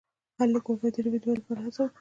هر لیکوال باید د ژبې د ودې لپاره هڅه وکړي.